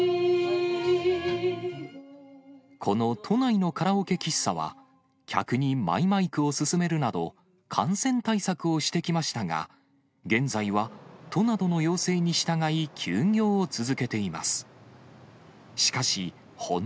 この都内のカラオケ喫茶は、客にマイマイクを勧めるなど、感染対策をしてきましたが、現在は都などの要請に従い休業を続けています。